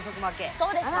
そうですね。